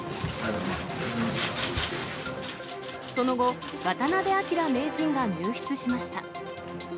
その後、渡辺明名人が入室しました。